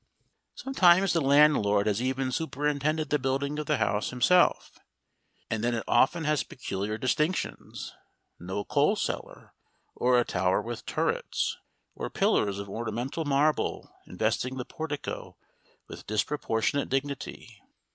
Sometimes the landlord has even superintended the building of the house himself, and then it often has peculiar distinctions no coal cellar, or a tower with turrets, or pillars of ornamental marble investing the portico with disproportionate dignity.